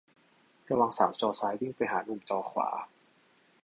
ระวังสาวจอซ้ายวิ่งไปหาหนุ่มจอขวา